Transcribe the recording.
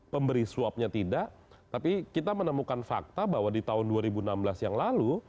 pemberi suapnya tidak tapi kita menemukan fakta bahwa di tahun dua ribu enam belas yang lalu